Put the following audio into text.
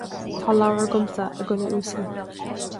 Tá leabhar agamsa, a dhuine uasail